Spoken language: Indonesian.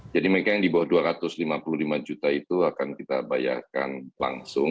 mereka yang di bawah dua ratus lima puluh lima juta itu akan kita bayarkan langsung